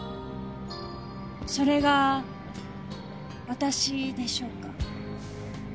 それが私でしょうか？